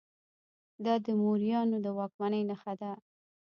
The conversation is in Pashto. دا د موریانو د واکمنۍ نښه ده